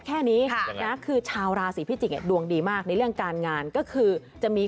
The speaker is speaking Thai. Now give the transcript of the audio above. แค่นี้คือชาวราศีพิจิกษ์ดวงดีมากในเรื่องการงานก็คือจะมี